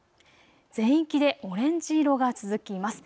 全域でオレンジ色が続きます。